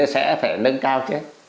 sẽ phải nâng cao chứ